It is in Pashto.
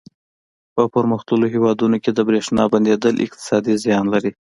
په پرمختللو هېوادونو کې د برېښنا بندېدل اقتصادي زیان لري.